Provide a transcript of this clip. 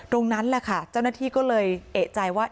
ตรงนั้นแหละค่ะเจ้าหน้าที่ก็เลยเอกใจว่า